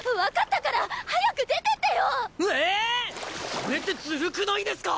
それってズルくないですか